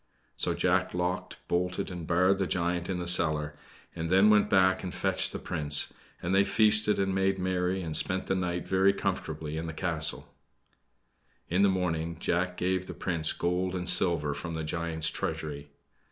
So Jack locked, bolted and barred the giant in the cellar, and then went back and fetched the Prince, and they feasted and made merry, and spent the night very comfortably in the castle. In the morning Jack gave the Prince gold and silver from the giant's treasury.